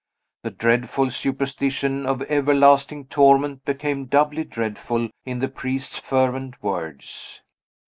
The dreadful superstition of everlasting torment became doubly dreadful in the priest's fervent words.